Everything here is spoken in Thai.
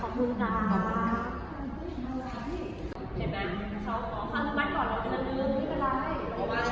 ก็ใกล้มันจะเป็นจริงหรือแซ่บอย่างเงี้ย